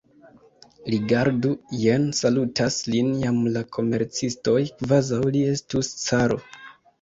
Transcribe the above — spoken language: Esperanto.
Rigardu, jen salutas lin jam la komercistoj, kvazaŭ li estus caro.